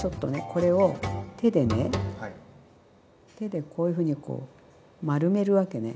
これを手でね手でこういうふうにこう丸めるわけね。